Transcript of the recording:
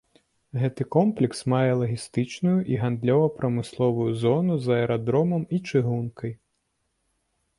Гэты комплекс мае лагістычную і гандлёва-прамысловую зону з аэрадромам і чыгункай.